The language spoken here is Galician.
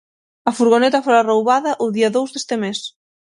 A furgoneta fora roubada o día dous deste mes.